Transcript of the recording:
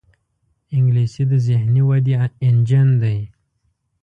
انګلیسي د ذهني ودې انجن دی